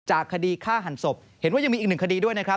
คดีฆ่าหันศพเห็นว่ายังมีอีกหนึ่งคดีด้วยนะครับ